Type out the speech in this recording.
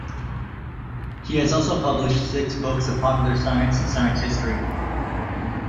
He has also published six books of popular science and science history.